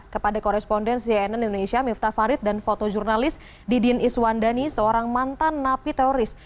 kepada koresponden cnn indonesia miftah farid dan fotojurnalis didin iswandani seorang mantan napi teroris